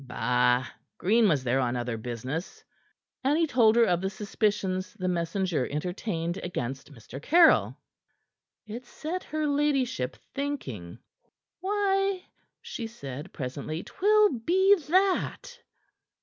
"Bah! Green was there on other business." And he told her of the suspicions the messenger entertained against Mr. Caryll. It set her ladyship thinking. "Why," she said presently, "'twill be that!"